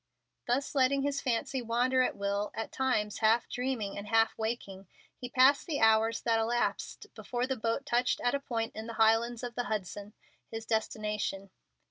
Thus letting his fancy wander at will, at times half dreaming and half waking, he passed the hours that elapsed before the boat touched at a point in the Highlands of the Hudson, his destination.